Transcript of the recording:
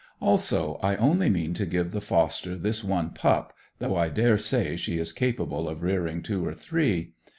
Also, I only mean to give the foster this one pup, though I dare say she is capable of rearing two or three.